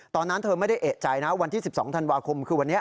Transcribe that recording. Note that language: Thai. ตอนนั้นเธอไม่ได้เอกใจนะวันที่๑๒ธันวาคมคือวันนี้